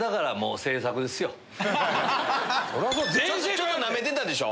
ちょっとナメてたでしょ